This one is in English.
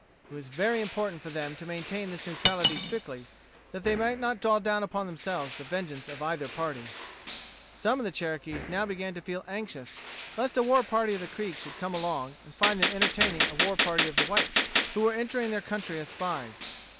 It was very important for them to maintain this neutrality strictly, that they might not draw down upon themselves the vengeance of either party. Some of the Cherokees now began to feel anxious lest a war party of the Creeks should come along and find them entertaining a war party of whites, who were entering their country as spies.